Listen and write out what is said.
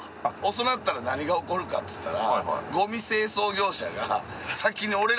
遅なったら何が起こるかっつったら。